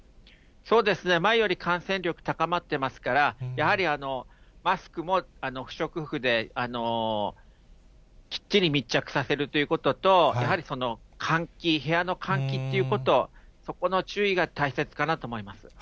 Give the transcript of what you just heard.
前より感染力高まってますから、やはりマスクも不織布で、きっちり密着させるということと、やはり換気、部屋の換気っていうこと、そこの注意が大切かなと思います。